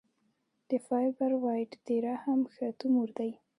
د فایبروایډ د رحم ښه تومور دی.